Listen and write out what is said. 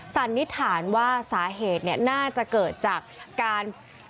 สันนิษฐานว่าสาเหตุน่าจะเกิดจากการ